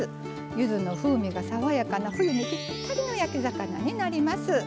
ゆずの風味が爽やかな冬にぴったりの焼き魚になります。